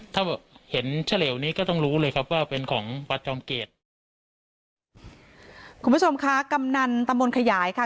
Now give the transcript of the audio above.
ถ้าเห็นเฉลวนี้ก็ต้องรู้เลยครับว่าเป็นของวัดจอมเกตคุณผู้ชมค่ะกำนันตำบลขยายค่ะ